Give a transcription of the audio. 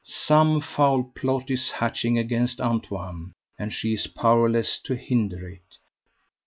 Some foul plot is hatching against Antoine, and she is powerless to hinder it.